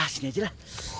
sini aja lah